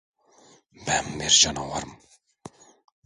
Ben bir canavarım.